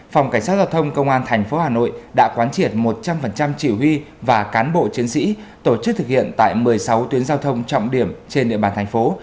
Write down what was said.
phòng cảnh sát giao thông công an tp hà nội đã quán triệt một trăm linh chỉ huy và cán bộ chiến sĩ tổ chức thực hiện tại một mươi sáu tuyến giao thông trọng điểm trên địa bàn thành phố